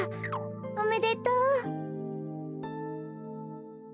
おめでとう。